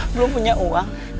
belum punya uang